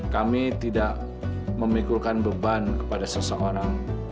kami tidak memikulkan beban kepada seseorang